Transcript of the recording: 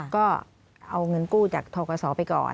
ก็เอาเงินกู้จากทกศไปก่อน